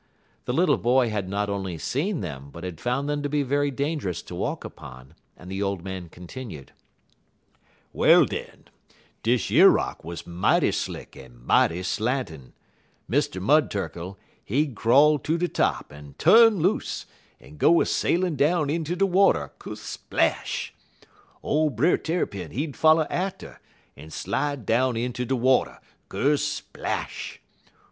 The little boy had not only seen them, but had found them to be very dangerous to walk upon, and the old man continued: "Well, den, dish yer rock wuz mighty slick en mighty slantin'. Mr. Mud Turkle, he'd crawl ter de top, en tu'n loose, en go a sailin' down inter de water kersplash! Ole Brer Tarrypin, he'd foller atter, en slide down inter de water _kersplash!